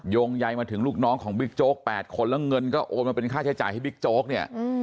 งใยมาถึงลูกน้องของบิ๊กโจ๊ก๘คนแล้วเงินก็โอนมาเป็นค่าใช้จ่ายให้บิ๊กโจ๊กเนี่ย